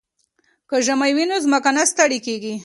که ژمی وي نو ځمکه نه ستړې کیږي.